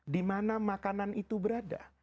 dimana makanan itu berada